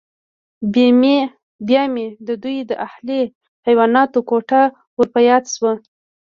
بیا مې د دوی د اهلي حیواناتو کوټه ور په یاد شوه